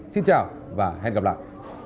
xin chào và hẹn gặp lại